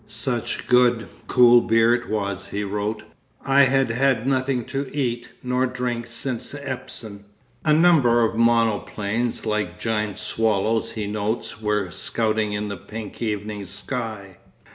'Such good, cool beer it was,' he wrote. 'I had had nothing to eat nor drink since Epsom.' A number of monoplanes, 'like giant swallows,' he notes, were scouting in the pink evening sky.